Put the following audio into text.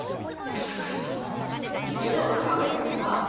まさか今変なこと考えてました？